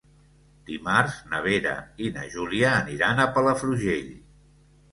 Dimarts na Vera i na Júlia aniran a Palafrugell.